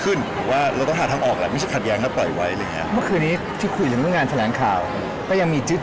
แต่ผมว่าเราคุยกันแล้วสุดท้ายขัดแย้งมันหาออกที่มันมีไอเดียใหม่